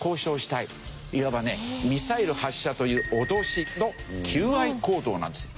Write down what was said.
いわばねミサイル発射という脅しの求愛行動なんですよ。